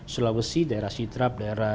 sulawesi daerah sidrap daerah